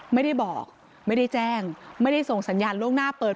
ไม่ได้บอกไม่ได้แจ้งไม่ได้ส่งสัญญาณล่วงหน้าเปิด